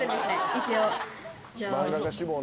一応。